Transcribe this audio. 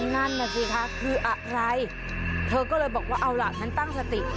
นั่นน่ะสิคะคืออะไรเธอก็เลยบอกว่าเอาล่ะฉันตั้งสติ